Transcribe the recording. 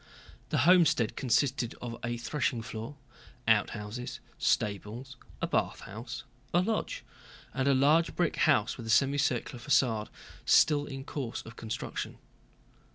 The homestead consisted of a threshing floor, outhouses, stables, a bathhouse, a lodge, and a large brick house with semicircular façade still in course of construction.